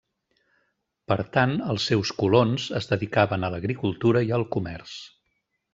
Per tant, els seus colons es dedicaven a l'agricultura i al comerç.